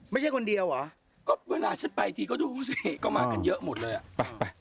ไม่ใช่คนเดียวเหรอก็เวลาฉันไปทีก็ดูสิก็มากันเยอะหมดเลยอ่ะไป